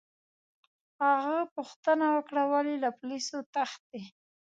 هغه پوښتنه وکړه: ولي، له پولیسو تښتې؟